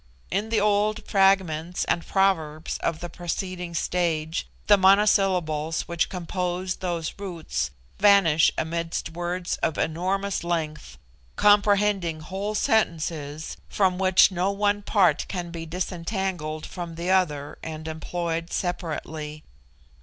In the old fragments and proverbs of the preceding stage the monosyllables which compose those roots vanish amidst words of enormous length, comprehending whole sentences from which no one part can be disentangled from the other and employed separately.